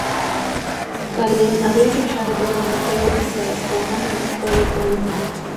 Salem había luchado en las batallas de Saratoga y Stony Point.